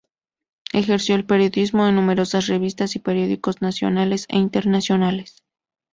Ejerció el periodismo en numerosas revistas y periódicos nacionales e internacionales.